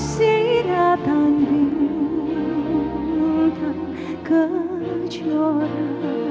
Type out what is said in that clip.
siratan bintang kejora